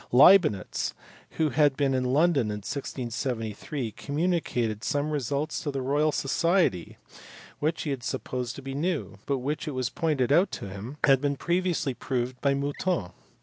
Leibnitz, who had been in London in 1673, had communicated some results to the Royal Society which he had supposed to be new, but which it was pointed out to him had been previously proved by Mouton.